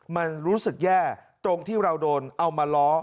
มันรู้สึกแย่ตรงที่เราโดนเอามาล้อ